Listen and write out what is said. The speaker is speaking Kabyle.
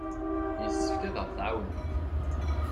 Yessefk ad aɣ-tɛawnemt.